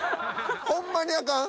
ホンマにあかん？